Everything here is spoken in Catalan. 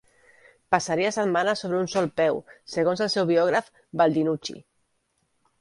"Passaria setmanes sobre un sol peu", segons el seu biògraf Baldinucci.